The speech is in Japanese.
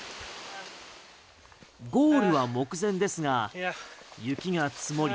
ゴールは目前ですが、雪が積もり